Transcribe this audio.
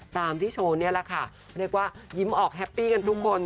ตามที่โชว์นี่แหละค่ะเรียกว่ายิ้มออกแฮปปี้กันทุกคน